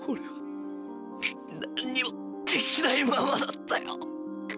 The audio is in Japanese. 何にもできないままだったよ！！